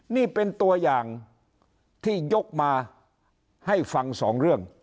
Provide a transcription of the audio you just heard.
นี่เป็นตัวอย่างที่ยกมาให้ฟังสองเรื่อง